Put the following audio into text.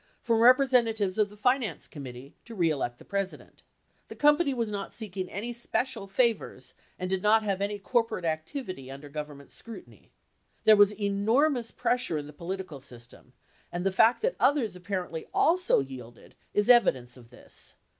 from representatives of the Finance Committee To Re Elect the President, The company was not seeking any special favors and did not have any corporate activity under Government, scrutiny. "There was enormous pressure in the political system, and the fact that others apparently also yielded is evidence of this.